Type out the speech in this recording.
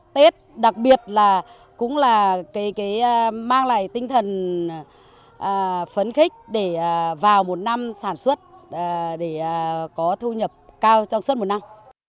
tết đặc biệt là cũng là mang lại tinh thần phấn khích để vào một năm sản xuất để có thu nhập cao trong suốt một năm